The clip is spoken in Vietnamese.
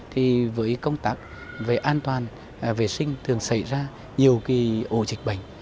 thì với công tác về an toàn vệ sinh thường xảy ra nhiều cái ổ dịch bệnh